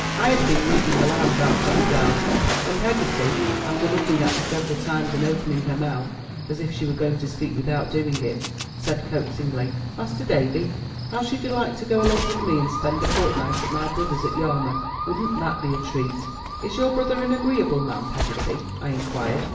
I had been reading aloud about crocodiles, when Peggotty, after looking at me several times and opening her mouth as if she were going to speak without doing it — said coaxingly : "Master Davy, how should you like to go along with me and spend a fortnight at my brother's at Yarmouth? Wouldn't that be a treat?" Is your brother an agreeable man, Peggotty?" I inquired.